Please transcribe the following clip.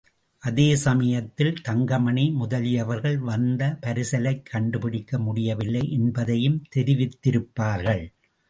அதே சமயத்தில் தங்கமணி முதலியவர்கள், வந்த பரிசலைக் கண்டுபிடிக்க முடியவில்லை என்பதையும் தெரிவித்திருப்பார்கள்.